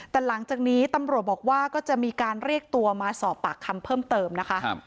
แต่หลังจากนี้ตำรวจบอกว่าก็จะมีการเรียกตัวมาสอบปากคำเพิ่มเติมนะคะ